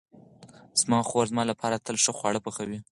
زما خور زما لپاره تل ښه خواړه پخوي.